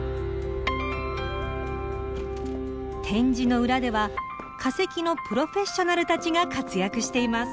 展示の裏では化石のプロフェッショナルたちが活躍しています。